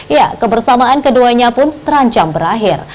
ya kebersamaan keduanya pun terancam berakhir